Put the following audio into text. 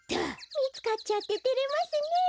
みつかっちゃっててれますねえ。